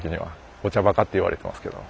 お茶バカって言われてますけど。